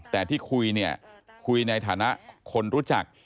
แต่ที่คุยเนี่ยคุยในฐานะคนรู้จัก